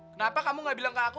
kenapa kamu gak bilang ke aku